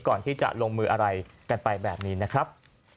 ก่อนที่จะลงมืออะไรกันไปแบบนี้นะครับ